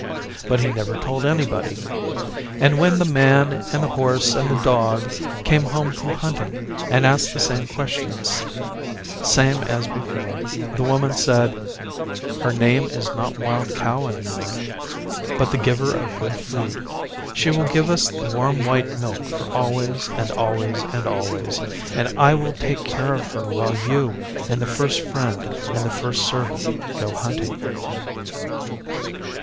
But he never told anybody. And when the Man and the Horse and the Dog came home from hunting and asked the same questions same as before, the Woman said, 'Her name is not Wild Cow any more, but the Giver of Good Food. She will give us the warm white milk for always and always and always, and I will take care of her while you and the First Friend and the First Servant go hunting.